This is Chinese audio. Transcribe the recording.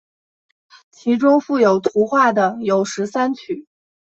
其中附有图画的有十三曲。